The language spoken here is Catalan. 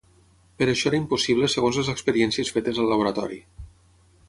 Però això era impossible segons les experiències fetes al laboratori.